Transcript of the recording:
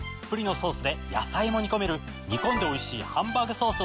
「煮込んでおいしいハンバーグソース」を使った。